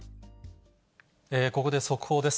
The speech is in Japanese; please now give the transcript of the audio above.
ここで速報です。